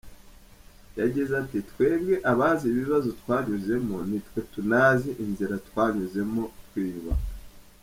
Yagize ati: “Twebwe abazi ibibazo twanyuzemo, ni twe tunazi inzira twanyuzemo twiyubaka.